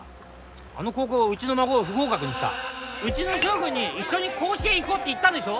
あの高校はうちの孫を不合格にしたうちの翔君に「一緒に甲子園行こう」って言ったでしょ